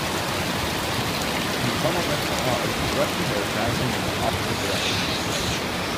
In the tunnel next to ours, the Russians are advancing in the opposite direction.